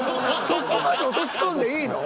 そこまで落とし込んでいい。